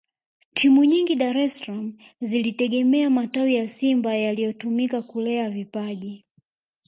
Timu nyingi Dar es salaam zilitegemea matawi ya Simba yaliyotumika kulea vipaji